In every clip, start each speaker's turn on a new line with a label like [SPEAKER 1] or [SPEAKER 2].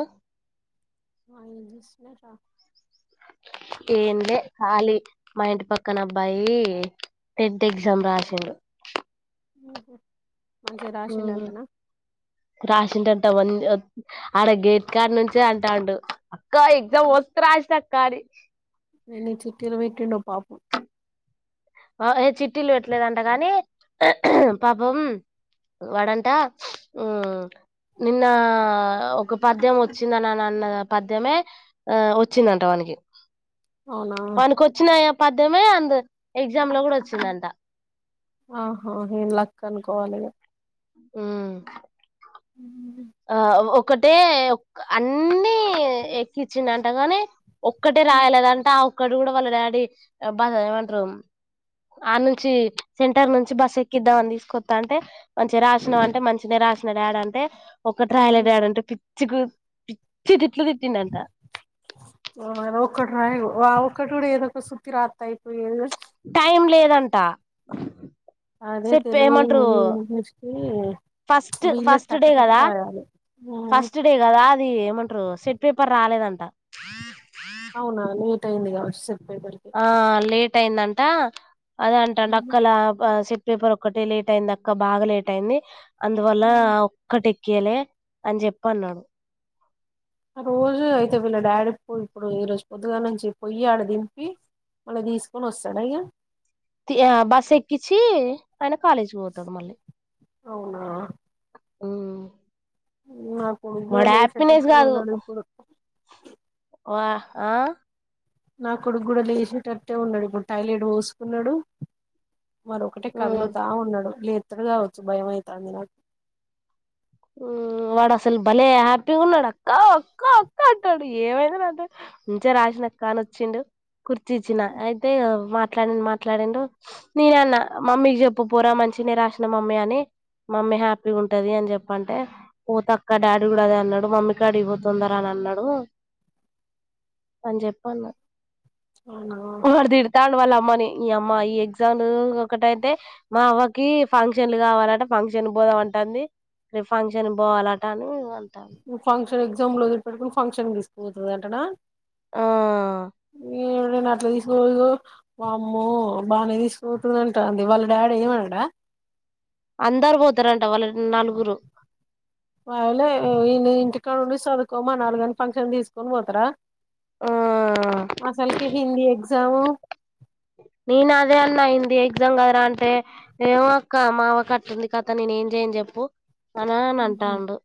[SPEAKER 1] ఒ
[SPEAKER 2] మార్నింగ్ జిస్ మే రా
[SPEAKER 1] ఏంలే ఖాళీ మా ఇంటి పక్కన అబ్బాయి టెన్త్ ఎగ్జామ్ రాశిండు
[SPEAKER 2] ఓహో
[SPEAKER 1] మ్ రాశింట మ్ ఆడ గేట్ కాడ్ నుంచే అంటా ఉండు క ఎక్జామ్ మస్తు రాశ్నక్కా అని
[SPEAKER 2] చిట్టిలు వెట్టిండో పాపం
[SPEAKER 1] అ ఏ చిట్టిలు పెట్టలేదంట కాగానీ పాపం వాడంట ఉ నిన్నా ఒక పద్యం వచ్చిందన్న అన్న పద్యమే ఆ వచ్చిందంట వానకి
[SPEAKER 2] అవునా
[SPEAKER 1] వానకి వచ్చినాయా పద్దెమే అంది ఎగ్జామ్ లో కూడా వచ్చిందంట
[SPEAKER 2] ఆహా ఏం లక్ అనుకోవాలి ఇగ
[SPEAKER 1] ఉం ఒకటే అన్నీ ఎక్కించిండ్ అంటగాని ఒక్కటే రాయలేదంటే ఆ అక్కడ గూడా వాళ్ళ డాడీ బస్ ఏమంటారు ఆ నుంచి సెంటర్ నుంచి బస్ ఎక్కిద్దామని తీసుకొస్తా అంటే మంచిగా రాసినం అంటే మంచినె రాశ్న డాడీ అంటే ఒక్కట్ రాయ్లే
[SPEAKER 2] ఉహు.
[SPEAKER 1] డాడంటే పి చకు చకు ఇట్లు తిట్టింండంట
[SPEAKER 2] అ ఒకక్కటి కూడా ఏదో ఒక సుతి రాస్తాయిపోయే
[SPEAKER 1] టైం లేదంట
[SPEAKER 2] అదే
[SPEAKER 1] సెప్
[SPEAKER 2] తెలుగు
[SPEAKER 1] ఏమంటరు
[SPEAKER 2] హిందీ ఇంగ్లీష్ కి
[SPEAKER 1] ఫస్ట్
[SPEAKER 2] వీళ్ళే
[SPEAKER 1] ఫస్ట్
[SPEAKER 2] టక
[SPEAKER 1] డే
[SPEAKER 2] టక
[SPEAKER 1] గదా
[SPEAKER 2] రాయాలి ఉమ్.
[SPEAKER 1] ఫస్ట్ డే గదా అది ఏమంటారు సెట్ పేపర్ రాలేదంట క్క
[SPEAKER 2] అవునా లేట్ అయింది గావ
[SPEAKER 1] ఆ లేేట్ ట్ అయిందంటా అదే అంటాండి అక్కలా సిట్ పేపర్ ఒక్కటి లేట్ అయింది అక్క బాగా లేట్ అయింది అందువల్ల ఒక్కటి క్యలే అని జెప్పి అన్నడు
[SPEAKER 2] ఆ రోజు అయితే వీళ్ళ డాడీ ఇప్పుడు ఈ రోజు పొద్దుగా నుంచి పొయ్యి ఆడ దింపి మళ్ళీ తీసుకొని ఒస్తడాయగ
[SPEAKER 1] తి ఆ బసెక్కిచ్చి ఆయన కాలేజీకి వోతడు మళ్ళ
[SPEAKER 2] అవునా
[SPEAKER 1] మ్
[SPEAKER 2] ఉం మా కొడుగ్గుడ
[SPEAKER 1] కాదు
[SPEAKER 2] లేశెటట్టున్నడు ఇప్పుడు
[SPEAKER 1] వా ఆ
[SPEAKER 2] నా కొడుకు గూడ లేశెటట్టే ఉన్నాడు ఇప్పుడు టైలెడ్ వోసుకున్నాడు మరొ ఒకటే
[SPEAKER 1] ఉమ్.
[SPEAKER 2] కదులుతా ఉన్నాడు లేదు ఇక్కడగావచ్చు భయం మయితాంది
[SPEAKER 1] మ్ వాడు అసలు భలే హ్యాపీగా ఉన్నాడు అక్క అక్క అక్క అంటాడు ఏమైంంనంటే ముంచే రాసిన అక్క అని వచ్చిడు కుర్చీచ్చిన అయితే మాట్లా మాట్లాడిండు నేన అన్నా మమ్మీకి చెప్పు పోరా మంచినగానే రాసిన మమ్మీ అని మమ్మీ హ్యాపీ ఉంటది అని చెప్ప చెప్పంటే ఓ తక్క డాడీ కూడా అదే అన్నాడు మమ్మీ కాడ పో తొందర అని అన్నాడు అని చెప్పన్నా
[SPEAKER 2] అవునా
[SPEAKER 1] వాడు తిడతాండు వల్ల అవ్ అమ్మని ఈ అమ్మ ఈ ఎగ్జామ్ ఒకటైతే మా అవ్వకీ ఫంక్షన్లు కావాలట ఫంక్షన్ బోదాం అంటంది రేపు ఫంక్షన్ కి పోవాలట అని
[SPEAKER 2] ఉమ్ ఫాంక్షన్ క్ ఎగ్జామ్లు వదిలిపెట్టుకొని ఫంక్షన్ తీసుకుపోతడంటానా
[SPEAKER 1] ఆ
[SPEAKER 2] న నేను అట్లా తీసుకోదు వామ్మో బాగానే తీసుకుతుందంటా అంది వాళ్ళ డాడీ ఏమనాడా
[SPEAKER 1] అందారు పోతార్
[SPEAKER 2] వాళ ఇ ఇంటికడుండి చదువుకో మనాలి కానీ ఫంక్షన్ తీసుకొని పోతారా
[SPEAKER 1] ఆ
[SPEAKER 2] అసలుకి హిందీ ఎక్స్ ఎగ్జామ్
[SPEAKER 1] నేను అదే అన్న హిందీ ఎగ్జామ్ కదరా అంటే ఏమక్క మావ కట్టుంది కథ నేనే ఏం చెయని చెప్పు అనా అని అంటా ఉండు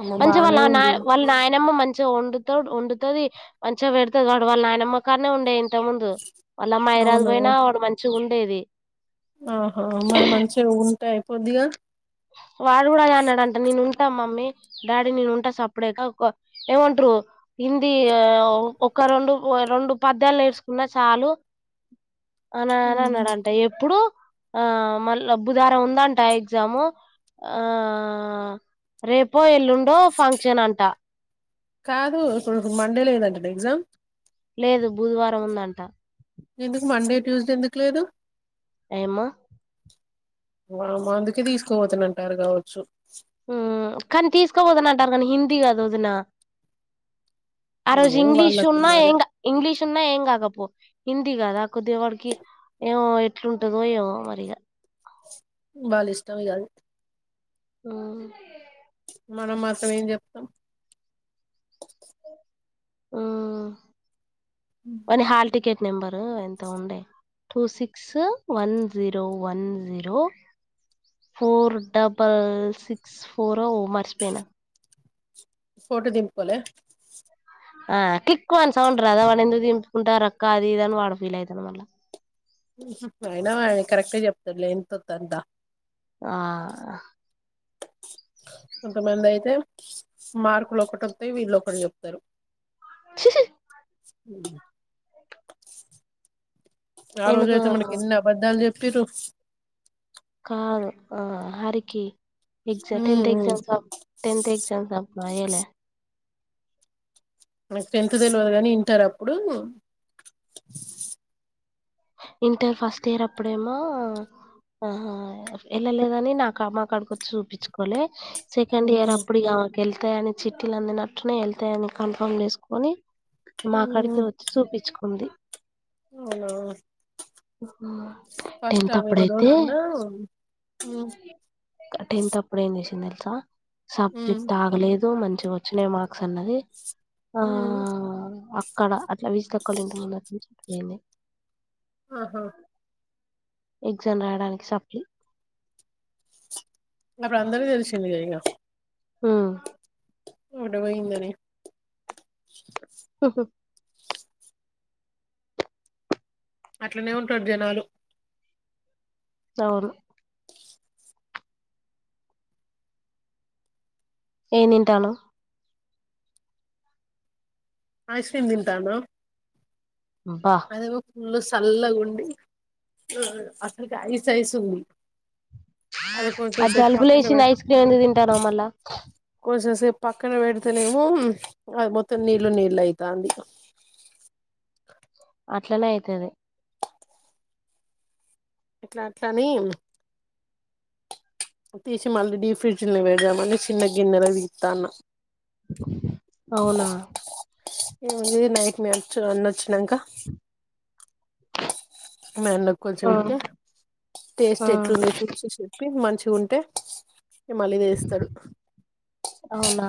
[SPEAKER 2] అమ్మ
[SPEAKER 1] మంచి వాళ్ళు
[SPEAKER 2] బానే
[SPEAKER 1] ఆ నా
[SPEAKER 2] ఉంది
[SPEAKER 1] వాళ్ళ నాయనమ్మ మంచి మంచి గా వండు వండుతుంది మంచిగా పెడుతుంది వాడు వాళ్ళ నాయనమ్మకనే ఉండే ఇంతక ముందు వల్ల అమ్మ హైదరాబాద్
[SPEAKER 2] అవునా
[SPEAKER 1] పోయినా వాడు మంచి చ్చు ఉండేది
[SPEAKER 2] ఆహా మరి మంచిగుంటే అయిపోదిగా
[SPEAKER 1] వాడు కూడా అన్నాడంట నేను ఉంటా మమ్మీ డాడీ నేను ఉంటా సెపరేట్ ఏమంటారు హింది ఒక రెండు రెండు పద్యాలు నేర్చకున్నా చాలు అనా అ అన్నాడు అంట ఎప్పుడు ఆ మళ్ళ బుధవారం ఉందంట ఎగ్జాము ఆ రేపో ఎల్లుండో ఫంక్షన్ అంట
[SPEAKER 2] కాదు ఇప్పుడు మండే లేదంటంనా ఎగ్జామ్
[SPEAKER 1] లేదు బుధవారం ఉందంట
[SPEAKER 2] ఎందుకు మండే ట్యూస్డే ఎందుకు లేదు
[SPEAKER 1] ఏమో
[SPEAKER 2] ఓరమ్మ అందుకే తీసుకోపోత అంటారు కావచ్చు
[SPEAKER 1] ఉమ్ కానీ తీసుకోపోదని అంటారు కానీ హిందీ కదా వదిన ఆ రోజు
[SPEAKER 2] ఏం
[SPEAKER 1] ఇంగ్లీష్
[SPEAKER 2] వాళ్ళకు
[SPEAKER 1] ఉన్నా
[SPEAKER 2] ఉండాలే
[SPEAKER 1] ఇంగ్లీష్ ఉన్నా ఏంగ్ క కపో హిందీ కాదా కొద్ది వాడికి ఏమో ఎట్లుంటదోయమో మరిగా
[SPEAKER 2] వల్ల ఇష్టం కాదు
[SPEAKER 1] ఉమ్
[SPEAKER 2] మనం మాత్రం ఎం చెప్తాం
[SPEAKER 1] ఉమ్ వాని హాల్టికెట్ నెంబరు ఎంత ఉండే two six one zero one zero four double six four ఓ మర్చిపోయినా
[SPEAKER 2] ఫోటో దింపుకోలే
[SPEAKER 1] ఆ కిక్ మని సౌండ్ రాదా వాని ఎందుకు దింపుకుంటారు అక్క అది ఇది అని వాడు ఫీల్ అవుతాడు. మళ్ళా
[SPEAKER 2] నువ్వు పోయినవ్ కాదే కరెక్ట్ చెప్తారు లే ఎంత వత్తె అంతా
[SPEAKER 1] ఆ
[SPEAKER 2] కొంతమంది అయితే మార్కులు ఒకటి వస్తే వీళ్ళు ఒకటి చెప్తారు.
[SPEAKER 1] [unintelligible]
[SPEAKER 2] హు ఆ
[SPEAKER 1] ఎందుకు
[SPEAKER 2] రోజైతే మనకెన్ని అబద్ధాలు చెప్ తీరు
[SPEAKER 1] కాదు ఆ హరికి ఎక్సాట్ టెన్త్ ఎగ్జామ్స్ అప్ టెన్త్ ఎగ్జామ్స్ అప్పుడు అయ్యేలే
[SPEAKER 2] మీకు టెన్త్ తెలవదు కానీ ఇంటర్ అప్పుడు
[SPEAKER 1] ఇంటర్ ఫస్ట్ ఇయర్ అప్పుడేమో ఆహా వెళ్ళలేదని నాక మాక్కడికి వచ్చి చూపించుకోలే సెకండ్ ఇయర్ అప్పుడి ఇగా వెళ్తాయని చిట్టీలు అందినట్టునాయ్ వెళ్తాయని కన్ఫర్మ్ చేసుకుని మా కాడికి వచ్చి చూపించు ఉంది.
[SPEAKER 2] అవునవును
[SPEAKER 1] హు టెన్త్ అప్పుడైతే
[SPEAKER 2] తెలవకుండా ఉమ్
[SPEAKER 1] టెన్త్ అప్పుడు ఏం చేసింది తెల్ సా
[SPEAKER 2] ఉమ్
[SPEAKER 1] సబ్జెస్ట్ ఆగలేదు మం మంచిగా వచ్చినాయి మాక్ మర్క్స్ అన్నది ఆ
[SPEAKER 2] ఉమ్
[SPEAKER 1] అక్కడ అట్లా విజిత అక్కొల్లా ఇంటి ముందటి నుంచి ఏమే
[SPEAKER 2] ఆహా
[SPEAKER 1] ఎగ్జామ్ రాయడానికి సప్లి
[SPEAKER 2] అప్పుడు అందరూ అందరికీ తెలిసింది. ఇగా
[SPEAKER 1] హ్మ్
[SPEAKER 2] ముట పోయిందని
[SPEAKER 1] ఉహు
[SPEAKER 2] అట్లనే ఉంటాడు జనాలు
[SPEAKER 1] అవును ఏం తింటన్నవ్
[SPEAKER 2] ఐస్ క్రీమ్ తింటాన
[SPEAKER 1] అబ్బా
[SPEAKER 2] ఫుల్లు సల్లగుండి అసలుకి ఐస్ ఐస్ ఉంది కొంచెం
[SPEAKER 1] అది
[SPEAKER 2] సేపు
[SPEAKER 1] జలుబు
[SPEAKER 2] పక్కన పె
[SPEAKER 1] లేసింది ఐస్ క్రీమ్ ఎందుకు తింటన్నావ్ మళ్ళా
[SPEAKER 2] కొంచెంసేపు పక్కన పేడతే నేమో అది మొత్తం నీళ్ళు నీళ్లు అయితాంది
[SPEAKER 1] అట్లనే అయితది
[SPEAKER 2] ఇట్లా అట్లని తీసి మళ్ళీ డీ ఫ్రిజ్లనే పెడదామని చిన్న గిన్నెల తీస్తాన్న
[SPEAKER 1] అవునా
[SPEAKER 2] ఏముంది నైట్ మ్యాచ్ అన్న వచ్చినంక మీ అన్న క్కొంచెం
[SPEAKER 1] ఆ,
[SPEAKER 2] ఇత్తే టేస్ట్
[SPEAKER 1] ఆ,
[SPEAKER 2] ఎట్లుందో చూచి చెప్పి మంచి ఉంటే మళ్ళి చేస్తరు
[SPEAKER 1] అవునా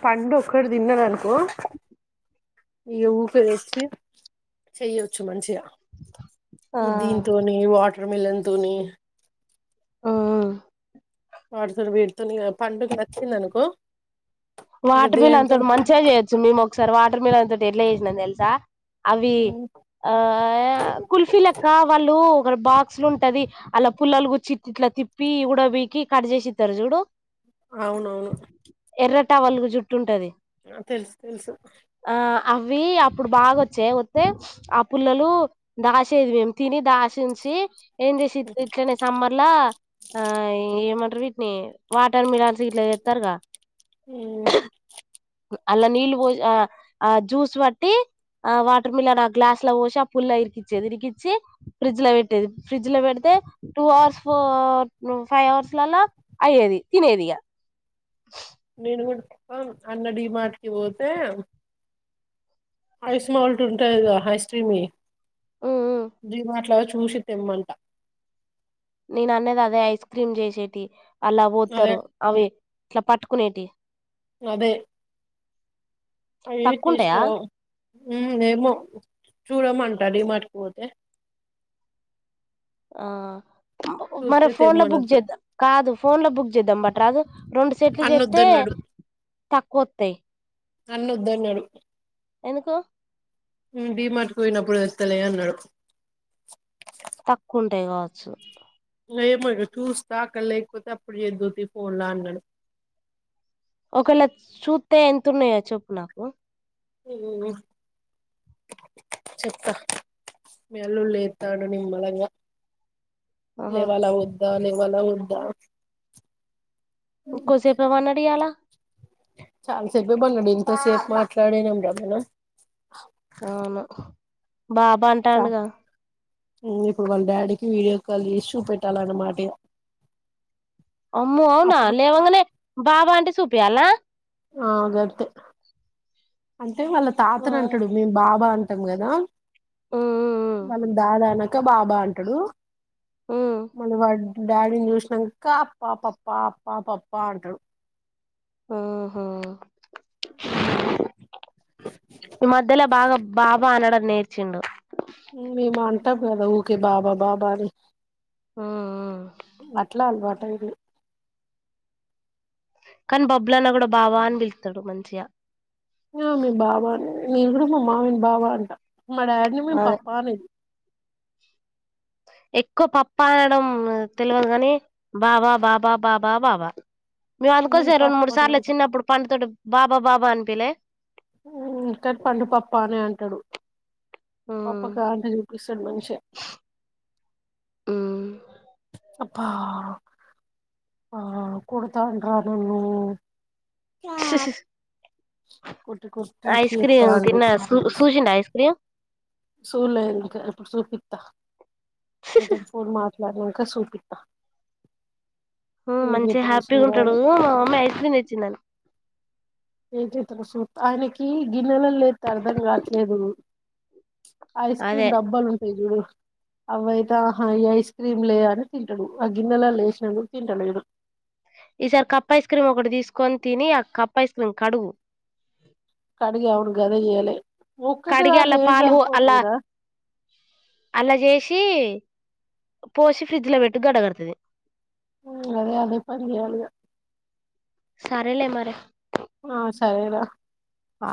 [SPEAKER 2] పండు ఒక్కటి తిన్నాననుకో ఇగ ఊకే తెచ్చి చెయ్యొచ్చు మంచిగా
[SPEAKER 1] ఆ
[SPEAKER 2] ఈ దీంతోని వాట్ టర్ మిలన్ తోని
[SPEAKER 1] ఉమ్.
[SPEAKER 2] వాటితోని వీటితోని ఇగ పండుకు నచ్చిందనుకో
[SPEAKER 1] వాటర్ మిలన్ తోటి మంచిగా చేయొచ్చు మేమొకసారి వాట్ మిలాన్ తోటి ఎట్లా చేసినం తెలుసా అవి ఆ య కుల్ఫీ లెక్క వాళ్ళు క్కడ బాక్స్ లుంటది అలా పుల్లలు గుచ్చి ఇట్లా తిప్పి ఊడపీకి కట్ చేసి ఇత్తరు చూడు
[SPEAKER 2] అవునవును
[SPEAKER 1] ఎర్ర టవల్ కు జుట్టుంటది
[SPEAKER 2] తెలుసు తెలుసు
[SPEAKER 1] అవి అప్పుడు బాగా వచ్చే వతే ఆ పుల్లలు దాచేది మేము తిని దాసుంచి ఏం చేసి ఇట్లనే సమ్మర్లా ఆ ఏమం వీటిని వాటర్ మిలాన్స్ ఇట్లా తెత్తారుగా
[SPEAKER 2] ఉమ్మ్
[SPEAKER 1] అళ్ళ నీళ్ళు పోసి ఆ జ్యూస్ పట్టి ఆ వాటర్ మిలన్ ఆ గ్లాస్ లో పోసి ఆ పుల్ల ఇరికిచ్చేది ఇరికిచ్చి ఫ్రిజ్ లో పెట్టేది ఫ్రిజ్ ల పెడితే టూ అవర్స్ ఫో ను ఫైవ్ అవర్స్లలా అయ్యేది తినేదిగ
[SPEAKER 2] నేను గూడ్ అన్న డిమార్ట్ కి పోతే ఐస్ మాల్ట్ ఉంటాది కదా హైస్ట్రీమి డిమార్ట్ ల చు చూషి తెమ్మంట
[SPEAKER 1] నేను అన్నది అదే ఐస్ క్రీమ్ చేసేటి అలా
[SPEAKER 2] అదే
[SPEAKER 1] పోత్తారు అవి ట్లా పట్టుకునేటి
[SPEAKER 2] అదే అవివి
[SPEAKER 1] తక్కువ ఉంటాయా
[SPEAKER 2] తీసినవ్ ఉమ్ ఏమో చూడమంటా డిమార్ట్ కి పోతే
[SPEAKER 1] ఆ మరి
[SPEAKER 2] చూస్తే
[SPEAKER 1] ఫోన్ లో బుక్
[SPEAKER 2] తెమ్మనొచ్చు
[SPEAKER 1] చేద్దాం కాదు ఫోన్ లో బుక్ చేద్దాం బట్ రాదు రెండు సెట్లు
[SPEAKER 2] అన్న
[SPEAKER 1] చేస్తే
[SPEAKER 2] వద్దన్నాడు
[SPEAKER 1] తక్కువ వస్తాయి
[SPEAKER 2] నన్న వద్దన్నాడు
[SPEAKER 1] ఎందుకు
[SPEAKER 2] డి మార్ట్ కి పోయినప్పుడు తెస్తలే అనాడు
[SPEAKER 1] తక్కువ ఉంటాయి కావచ్చు
[SPEAKER 2] [unintelligible] చూస్తా అక్కడ లేకపోతే అప్పుడు చెదువులే ఫోన్ల అనాడు
[SPEAKER 1] ఒకవేళ చూస్తే ఎంతున్నాయో చెప్పు నాకు
[SPEAKER 2] చెప్తా మీ [unintelligible] నిమ్ మలంగా
[SPEAKER 1] ఆహా
[SPEAKER 2] లేవాల వద్ద వాళ వద్ద
[SPEAKER 1] కోసేపు [unintelligible] తీయాలా
[SPEAKER 2] చాలా సేపు [unintelligible] ఎంతోసేపు మాట్లా [unintelligible]
[SPEAKER 1] అవును బాబా
[SPEAKER 2] చ
[SPEAKER 1] అంటాండగా
[SPEAKER 2] ఇప్పుడు వాళ్ళ డాడీకి వీడియో కాల్ ఇష్యూ పెట్టాలన్న మాట ఈగ
[SPEAKER 1] అమ్మో అవునా లేవ కనే బావా అంట స [unintelligible]
[SPEAKER 2] ఆ గతే అంటే వాళ్ళ తాతను అంటాడు మేం బాబా అని [unintelligible] గదా
[SPEAKER 1] ఉమ్
[SPEAKER 2] మనం దాదాన ఇంకా బాబా అంటాడు
[SPEAKER 1] ఉమ్
[SPEAKER 2] మన వాడు డాడీని చూసినాక అప్ప పప్ప అప్ప పప్ప అంటారు
[SPEAKER 1] ఉహు ఈ మధ్యల బాగా బాబా అనడ నేర్చిండు
[SPEAKER 2] [unintelligible] ఊక బాబా బాబానే
[SPEAKER 1] ఉమ్,
[SPEAKER 2] అట్లా అల్వట్ [unintelligible]
[SPEAKER 1] కానీ బబ్బులు అన్నా కూడా బాబ అని పిలుతాడు మంచిగా
[SPEAKER 2] ఆ మీ బావ అని నే కూడాడు మా మావని బావ అంటా మా డాడీని మేము
[SPEAKER 1] అదే
[SPEAKER 2] పప్పా అనే
[SPEAKER 1] ఎక్కువ పప్ప అనడం తెలియదు కాగాని బాబా బాబా బాబా బాబా మేము
[SPEAKER 2] నేను
[SPEAKER 1] అందుకోసం రెండు
[SPEAKER 2] పప్పా
[SPEAKER 1] మూడు
[SPEAKER 2] అని
[SPEAKER 1] సార్లు
[SPEAKER 2] అంటా
[SPEAKER 1] చిన్నప్పుడు పంటడుతో బాబా బాబా అనిపిలే
[SPEAKER 2] తంట పండు పప్ప అనే అంటాడు
[SPEAKER 1] ఉమ్,
[SPEAKER 2] పప్ప కా అంట చూపిస్తాడు మనిషి
[SPEAKER 1] ఆ
[SPEAKER 2] అబ్బా ఆ కొడతా ఉంటారా నన్ను కొట్టి కొట్టి
[SPEAKER 1] ఐస్ క్రీమ్
[SPEAKER 2] చేత్తాండు
[SPEAKER 1] తిన్న సూ చూసిండా ఐస్ క్రీమ్
[SPEAKER 2] సూలేప్పుడు సూపిిత ఏ ఫోర్ మా మరి ఇంకా సుపిత్త
[SPEAKER 1] మంచిగా హ్యాపీగా ఉంటాడు మా మమ్మీ ఐస్ క్రీమ్ తెచ్చిందాను
[SPEAKER 2] ఏ చెత్ర సూ ఆయనకి గిన్నెల లేతే అర్ధం కావట్లేదు ఐస్
[SPEAKER 1] అదే
[SPEAKER 2] క్రీమ్ డబ్బాలు ఉంటాయి చూడు అవయితే ఆహా ఈ ఐస్ క్రీమ్ లేయాని తింటడు ఆ గిన్నెలా లేసినందుడు తింటలేడు
[SPEAKER 1] ఈసారి కప్ ఐస్ క్రీమ్ ఒకటి తీసుకొని తిని ఆ కప్ ఐస్ క్రీమ్ కడుగు
[SPEAKER 2] కడుగి అవును గద ఎ యాలి
[SPEAKER 1] కడిగి అలా పాలు అలా అలా చేసి పోసి ఫ్రిడ్జ్ లో పెట్టుకు గడ్డ గడతాది
[SPEAKER 2] అదే అదే పని చెయ్యాలి ఇగ
[SPEAKER 1] సారేలే మారీ
[SPEAKER 2] ఆ సరే రా
[SPEAKER 1] ఆ